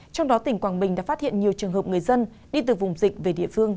trong đó tỉnh quảng bình đã phát hiện nhiều trường hợp người dân đi từ vùng dịch về địa phương